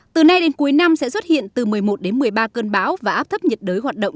từ nay đến cuối năm sẽ xuất hiện từ một mươi một đến một mươi ba cơn bão và áp thấp nhiệt đới hoạt động